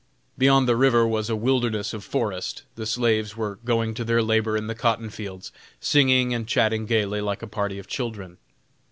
Beyond the river was a wilderness of forest; the slaves were going to their labor in the cotton fields, singing and chatting gaily like a party of children.